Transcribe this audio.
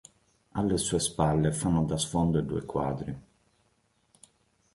Alle sue spalle fanno da sfondo i due quadri.